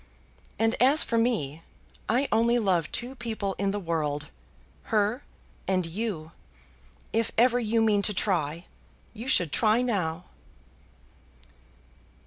"And as for me, I only love two people in the world; her and you. If ever you mean to try, you should try now."